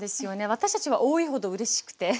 私たちは多いほどうれしくて。